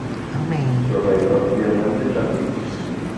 Sul retro vi è un ampio giardino.